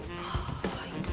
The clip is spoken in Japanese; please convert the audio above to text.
はい。